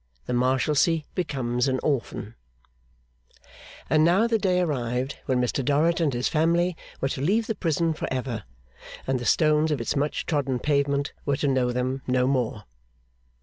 The Marshalsea becomes an Orphan And now the day arrived when Mr Dorrit and his family were to leave the prison for ever, and the stones of its much trodden pavement were to know them no more.